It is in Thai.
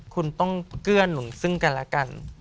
คุณต้องเกื้อหนุนซึ่งกันและกัน